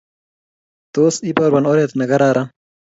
Tos iborwo oret negararan